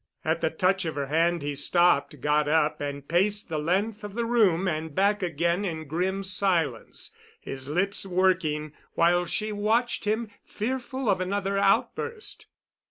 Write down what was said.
At the touch of her hand he stopped, got up and paced the length of the room and back again in grim silence, his lips working, while she watched him, fearful of another outburst.